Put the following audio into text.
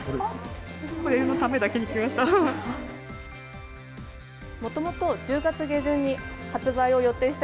これのためだけに来ました。